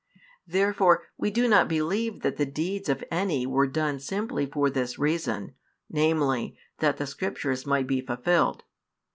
Therefore we do not believe that the deeds of any were done simply for this reason, namely, that the Scriptures might be fulfilled.